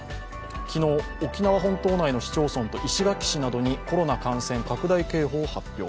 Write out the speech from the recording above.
昨日、沖縄本島内の市町村と、石垣市内にコロナ感染拡大警報を発表。